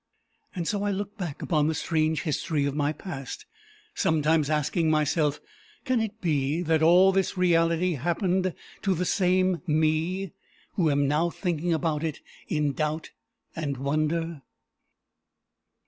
And so I looked back upon the strange history of my past; sometimes asking myself, "Can it be that all this realty happened to the same me, who am now thinking about it in doubt and wonder?"